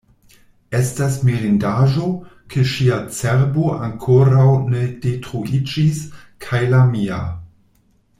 Estas mirindaĵo, ke ŝia cerbo ankoraŭ ne detruiĝis kaj la mia.